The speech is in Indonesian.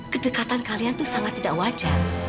kedekatan kalian itu sangat tidak wajar